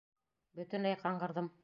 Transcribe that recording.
Бөтөнләй ҡаңғырҙым.